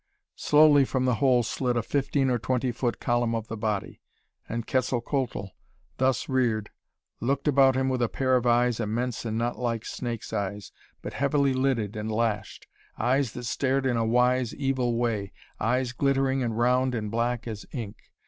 Slowly from the hole slid a fifteen or twenty foot column of the body, and Quetzalcoatl, thus reared, looked about him with a pair of eyes immense and not like snake's eyes, but heavily lidded and lashed; eyes that stared in a wise, evil way; eyes glittering and round and black as ink.